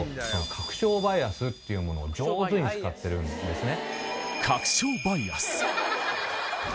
確証バイアスっていうものを上手に使ってるんですね